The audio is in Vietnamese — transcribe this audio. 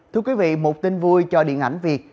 thưa quý vị một tin vui cho điện ảnh việt